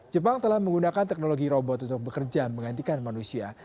jepang telah menggunakan teknologi robot untuk bekerja menggantikan manusia